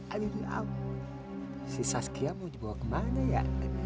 aku tidak tahu si saskia mau dibawa kemana ya